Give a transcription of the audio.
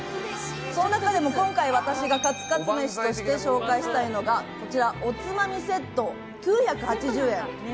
その中でも今回、私がカツカツ飯として紹介したいのがおつまみセット、９８０円。